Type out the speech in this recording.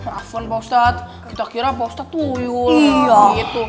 maafkan pak ustadz kita kira pak ustadz tuyul gitu